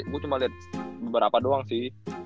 gue cuma liat beberapa doang sih